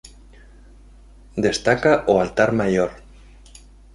Destaca o altar maior.